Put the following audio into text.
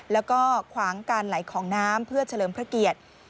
แล้วก็ขวางการไหลของน้ำเพื่อเฉลิมพระเกียรติ